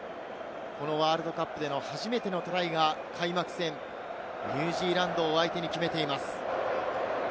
このワールドカップでの初めてのトライが開幕戦、ニュージーランドを相手に決めています。